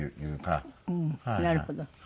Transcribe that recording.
なるほど。